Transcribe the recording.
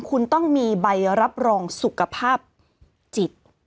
คุณต้องมีใบรับรองสุขภาพจิต